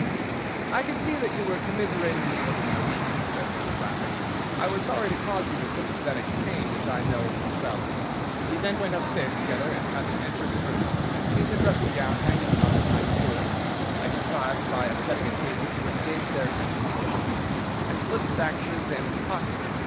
"I could see that you were commiserating me over my weakness," said Holmes, laughing. "I was sorry to cause you the sympathetic pain which I know that you felt. We then went upstairs together, and having entered the room and seen the dressing gown hanging up behind the door, I contrived, by upsetting a table, to engage their attention for the moment, and slipped back to examine the pockets.